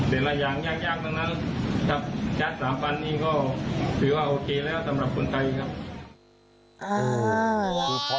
แต่อะไรอย่างยากตรงนั้นชั้นสามพันธุ์นี้ก็ถือว่าโอเคแล้วสำหรับคนไทยครับ